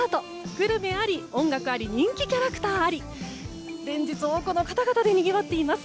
グルメ、音楽人気キャラクターあり連日多くの方々でにぎわっています。